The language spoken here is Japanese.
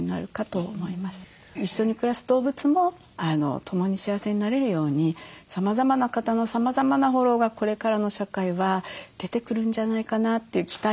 一緒に暮らす動物も共に幸せになれるようにさまざまな方のさまざまなフォローがこれからの社会は出てくるんじゃないかなという期待をすごくしております。